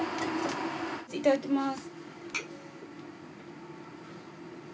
いただきます。